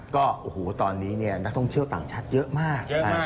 ก็โอ้โหตอนนี้เนี่ยนักท่องเที่ยวต่างชาติเยอะมากเยอะมาก